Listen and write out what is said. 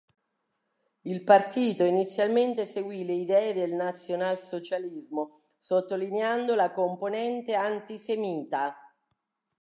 Il partito inizialmente seguì le idee del nazionalsocialismo, sottolineando la componente antisemita.